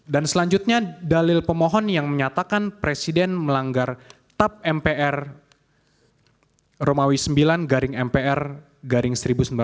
dan selanjutnya dalil pemohon yang menyatakan presiden melanggar tap mpr romawi ix garing mpr garing seribu sembilan ratus sembilan puluh delapan